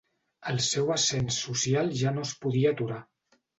El seu ascens social ja no es podia aturar.